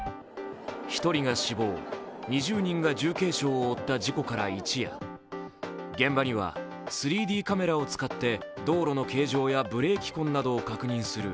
１人が死亡、２０人が重軽傷を負った事故から一夜、現場には３Ｄカメラを使って道路の形状やブレーキ痕などを確認する